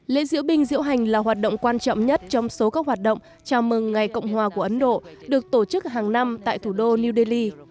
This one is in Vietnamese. lễ diễu binh diễu hành là hoạt động quan trọng nhất trong số các hoạt động chào mừng ngày cộng hòa của ấn độ được tổ chức hàng năm tại thủ đô new delhi